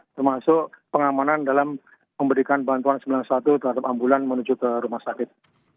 termasuk pengamanan dalam memberikan bantuan sembilan puluh satu terhadap ambulan menuju ke rumah sakit